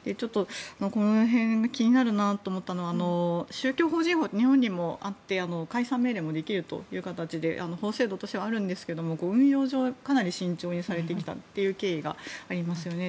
この辺で気になると思ったのは宗教法人法は日本にもあって解散命令もできる形で法制度としてはあるんですが運用上はかなり慎重にされてきたという経緯がありますよね。